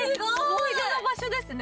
思い出の場所ですね。